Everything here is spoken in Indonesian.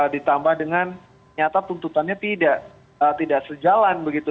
ditambah dengan nyata tuntutannya tidak sejalan begitu